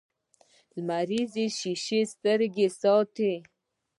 لمریزې شیشې سترګې ساتي